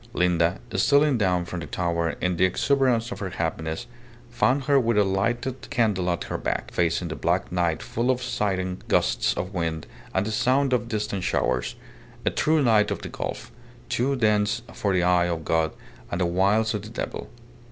Linda, stealing down from the tower in the exuberance of her happiness, found her with a lighted candle at her back, facing the black night full of sighing gusts of wind and the sound of distant showers a true night of the gulf, too dense for the eye of God and the wiles of the devil.